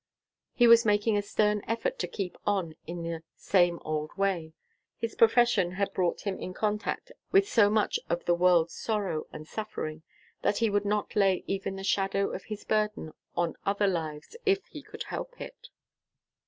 He was making a stern effort to keep on in the same old way. His profession had brought him in contact with so much of the world's sorrow and suffering that he would not lay even the shadow of his burden on other lives, if he could help it.